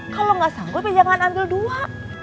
kalau nggak sanggup ya jangan ambil dua